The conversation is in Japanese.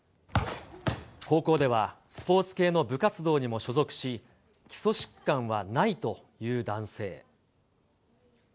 高校では、スポーツ系の部活動にも所属し、基礎疾患はないという男性。